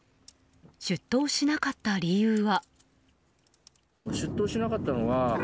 出頭しなかった理由は。